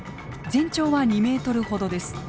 全長は２ｍほどです。